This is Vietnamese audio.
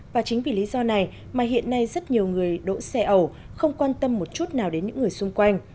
và chính vì lý do này mà hiện nay rất nhiều người đỗ xe ẩu không quan tâm một chút nào đến những người xung quanh